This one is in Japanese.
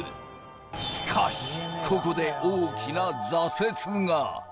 しかし、ここで大きな挫折が。